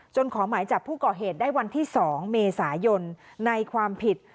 ขอหมายจับผู้ก่อเหตุได้วันที่๒เมษายนในความผิด